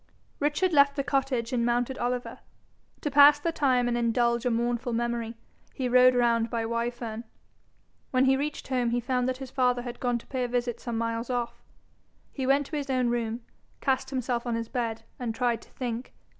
Richard left the cottage, and mounted Oliver. To pass the time and indulge a mournful memory, he rode round by Wyfern. When he reached home, he found that his father had gone to pay a visit some miles off. He went to his own room, cast himself on his bed, and tried to think.